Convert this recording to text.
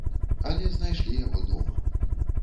Але знайшлі яго дома.